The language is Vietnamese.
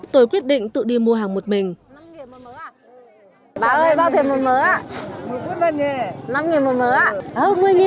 tôi quyết định tự đi mua hàng một mình